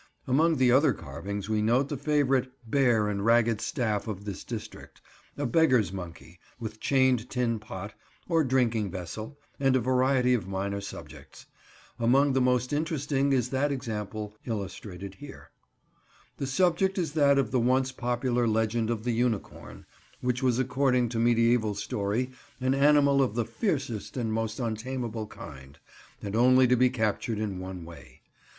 Among the other carvings we note the favourite Bear and Ragged Staff of this district; a beggar's monkey, with chained tin pot, or drinking vessel, and a variety of minor subjects. Among the most interesting is that example illustrated here. [Picture: A Stratford Miserere: The Legend of the Unicorn] The subject is that of the once popular legend of the unicorn, which was, according to mediæval story, an animal of the fiercest and most untamable kind, and only to be captured in one way.